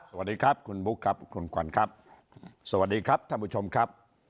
สวัสดีครับคุณบุ๊คครับคุณขวัญครับสวัสดีครับท่านผู้ชมครับ